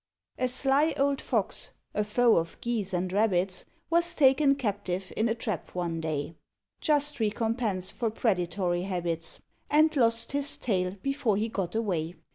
A sly old Fox, a foe of Geese and Rabbits, Was taken captive in a trap one day (Just recompense of predatory habits), And lost his tail before he got away.